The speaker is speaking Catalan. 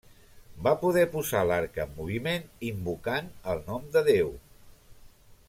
Va poder posar l'arca en moviment invocant el nom de Déu.